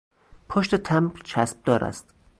پشت تمبر چسب دار است.